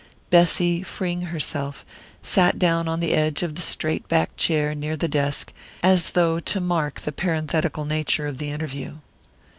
Bessy, freeing herself, sat down on the edge of the straight backed chair near the desk, as though to mark the parenthetical nature of the interview.